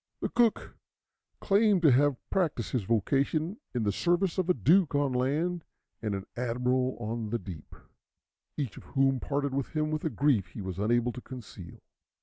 The cook claimed to have practised his vocation in the service of a duke on land, and an admiral on the deep, each of whom parted from him with a grief he was unable to conceal.